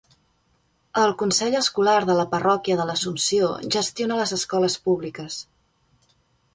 El Consell Escolar de la parròquia de l'Assumpció gestiona les escoles públiques.